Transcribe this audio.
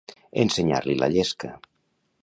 Ensenyar-li la llesca.